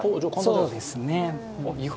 そうですね。